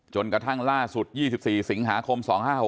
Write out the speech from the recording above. กระทั่งล่าสุด๒๔สิงหาคม๒๕๖๖